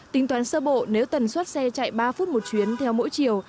tính toán sơ bộ nếu tần suất xe chạy ba phút một chuyến theo mỗi chiều